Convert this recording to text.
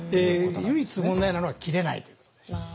唯一問題なのは切れないということです。